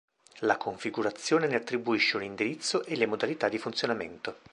La configurazione ne attribuisce un indirizzo e le modalità di funzionamento.